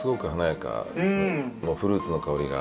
このフルーツの香りが。